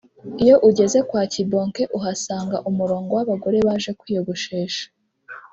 Iyo ugeze kwa Kibonke uhasanga umurongo w’abagore baje kwiyogoshesha